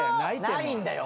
ないんだよ